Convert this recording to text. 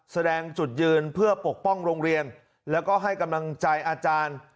แสดงจุดยืนเพื่อปกป้องโรงเรียนแล้วก็ให้กำลังใจอาจารย์